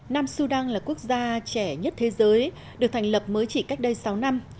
nam sudan là quốc gia trẻ nhất thế giới được thành lập mới chỉ cách đây sáu năm